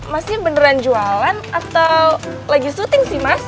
masnya beneran jualan atau lagi syuting sih mas